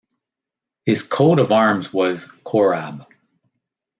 His coat of arms was "Korab".